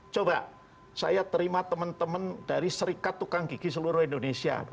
coba saya terima teman teman dari serikat tukang gigi seluruh indonesia